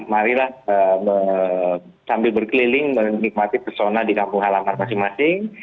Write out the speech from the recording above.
marilah sambil berkeliling menikmati persona di kampung halaman masing masing